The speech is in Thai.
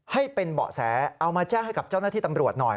ให้เป็นเบาะแสเอามาแจ้งให้กับเจ้าหน้าที่ตำรวจหน่อย